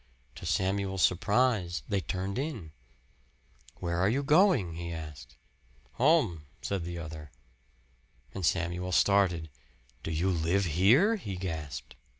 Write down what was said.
To Samuel's surprise they turned in. "Where are you going?" he asked. "Home," said the other. And Samuel started. "Do you live here?" he gasped.